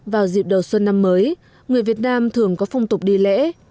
vào dịp đầu xuân năm mới người việt nam thường có phong tục đi lễ